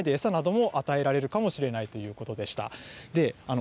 機内で餌なども与えられるかもしれないということでした。